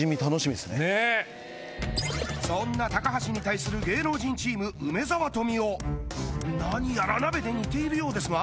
そんな橋に対する芸能人チーム・梅沢富美男何やら鍋で煮ているようですが？